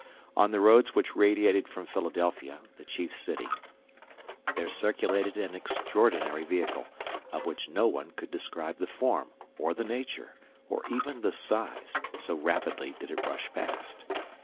On the roads which radiated from Philadelphia, the chief city, there circulated an extraordinary vehicle, of which no one could describe the form, or the nature, or even the size, so rapidly did it rush past.